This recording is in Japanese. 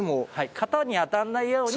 型に当たらないように。